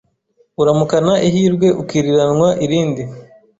Uramukana ihirwe ukiriranwa irindi